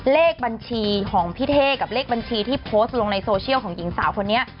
เลขบัญชีของพี่เท่กับเลขบัญชีที่โพสต์ลงในโซเชียลของหญิงสาวคนนี้